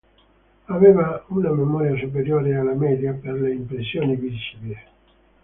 Aveva una memoria superiore alla media per le impressioni visive.